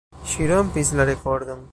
Ŝi rompis la rekordon.